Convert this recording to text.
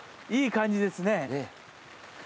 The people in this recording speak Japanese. いい感じですね。